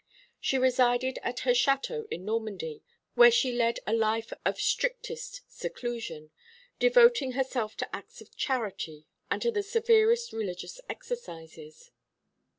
She resided at her château in Normandy, where she led a life of strictest seclusion, devoting herself to acts of charity and to the severest religious exercises.